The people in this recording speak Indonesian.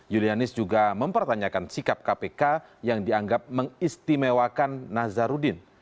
yulianis juga mempertanyakan sikap kpk yang dianggap mengistimewakan nazarudin